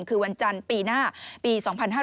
คือวันจันทร์ปีหน้าปี๒๕๕๙